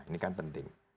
ini kan penting